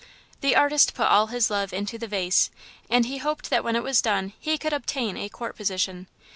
"The artist put all his love into the vase, and he hoped that when it was done, he could obtain a Court position.